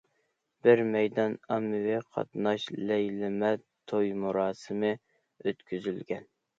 بىر مەيدان ئاممىۋى قاتناش« لەيلىمە توي مۇراسىمى» ئۆتكۈزۈلگەن.